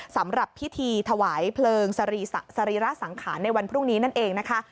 สำหรับพิธีถวายเพลิงสรีระสังขารในวันพรุ่งนี้นั่นเองนะคะ